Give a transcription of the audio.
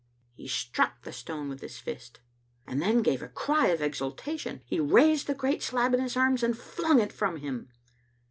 He struck the stone with his fist, and then gave a cry of exultation. He raised the great slab in his arms and flung it from him.